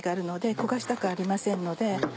焦がしたくありませんので。